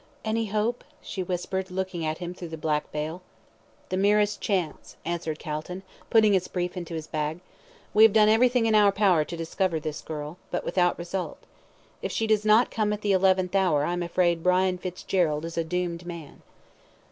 "Any hope?" she whispered, looking at him through the black veil. "The merest chance," answered Calton, putting his brief into his bag. "We have done everything in our power to discover this girl, but without result. If she does not come at the eleventh hour I'm afraid Brian Fitzgerald is a doomed man."